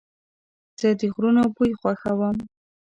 زه د غرونو بوی خوښوم.